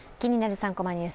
３コマニュース」